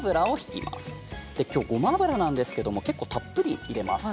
きょう、ごま油なんですけれど結構たっぷり入れます。